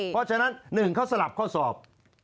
เพราะฉะนั้น๑เขาสลับข้อสอบ